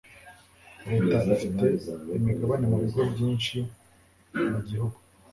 leta ifite imigabane mubigo byinshi mugihugu